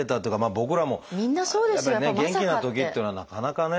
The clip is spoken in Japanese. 僕らもやっぱりね元気なときっていうのはなかなかね